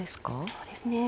そうですね。